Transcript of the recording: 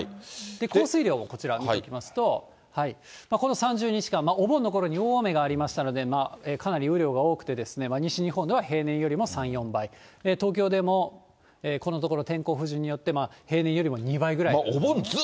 降水量もこちら、見ていきますと、この３０日間、お盆のころに大雨がありましたので、かなり雨量が多くて、西日本では平年よりも３、４倍、東京でもこのところ天候不順によって平年よりも２倍ぐらいですね。